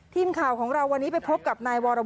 ทีมข่าวของเราวันนี้ไปพบกับ